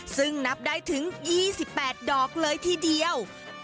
ซึ่งนับได้ถึง๒๘ดอกเลยทีเดียว